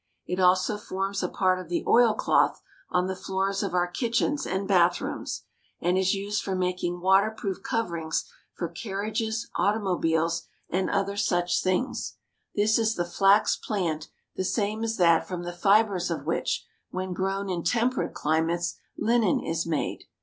It also forms a part of the oilcloth on the floors of our kitchens and bathrooms, and is used for making waterproof coverings for carriages, automobiles, and other such things. This is the flax plant the same as that from the fibers of which, when grown in temperate climates, linen is made.